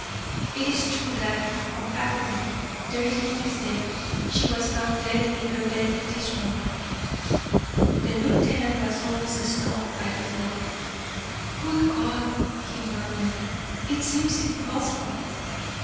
"It is true, lad, unhappily; there is no mistake. She was found dead in her bed this morning." The lieutenant was almost stunned by the blow. "Good God!" he murmured. "It seems impossible."